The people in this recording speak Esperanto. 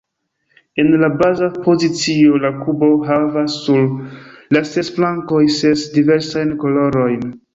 En la baza pozicio, la kubo havas sur la ses flankoj ses diversajn kolorojn.